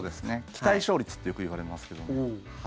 期待勝率ってよくいわれますけどね。